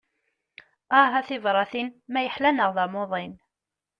Aah, a tibratin, ma yeḥla neɣ d amuḍin?